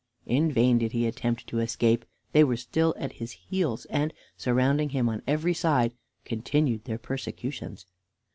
In vain did he attempt to escape; they were still at his heels, and, surrounding him on every side, continued their persecutions.